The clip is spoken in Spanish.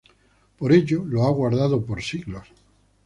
Por ello lo ha guardado por siglos.